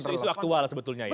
isu isu aktual sebetulnya ya